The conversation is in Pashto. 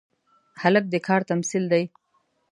هلک د کار تمثیل دی.